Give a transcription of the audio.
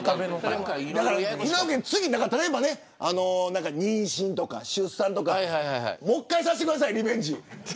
次ね、例えば妊娠とか出産とかもう１回させてくださいリベンジ。